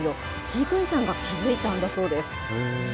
飼育員さんが気付いたんだそうです。